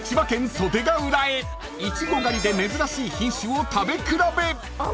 ［イチゴ狩りで珍しい品種を食べ比べ］